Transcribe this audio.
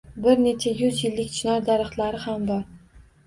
Bir necha yuz yillik chinor daraxtlari ham bor.